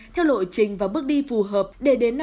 theo lộ trình và bước đi phù hợp để đến năm hai nghìn hai